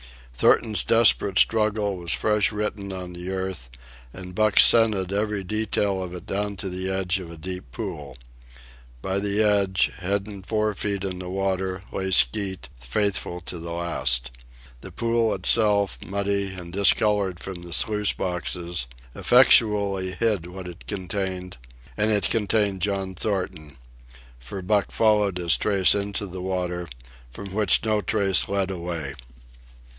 Thornton's desperate struggle was fresh written on the earth, and Buck scented every detail of it down to the edge of a deep pool. By the edge, head and fore feet in the water, lay Skeet, faithful to the last. The pool itself, muddy and discolored from the sluice boxes, effectually hid what it contained, and it contained John Thornton; for Buck followed his trace into the water, from which no trace led away.